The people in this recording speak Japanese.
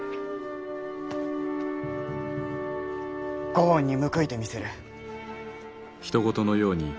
ご恩に報いてみせる。